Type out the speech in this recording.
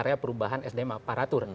area perubahan sdm aparatur